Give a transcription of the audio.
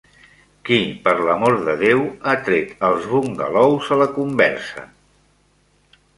Qui, per l'amor de Déu, ha tret els bungalous a la conversa?